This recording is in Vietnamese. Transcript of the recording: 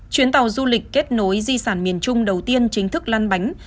chuyến tàu du lịch kết nối di sản miền trung đầu tiên chính thức lăn bánh